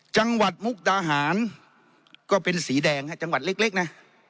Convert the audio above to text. จังหวัดมุกตาหารก็เป็นสีแดงฮะจังหวัดเล็กเล็กนะ